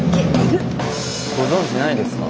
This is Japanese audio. ご存じないですか？